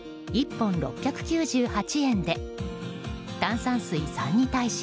１本６９８円で、炭酸水３に対し